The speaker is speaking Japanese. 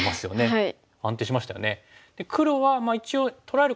はい。